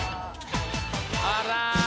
あら。